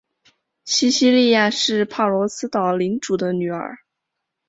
西西莉亚是帕罗斯岛领主的女儿。